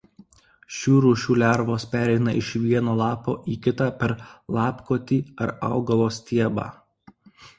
Šių rūšių lervos pereina iš vieno lapo į kitą per lapkotį ar augalo stiebą.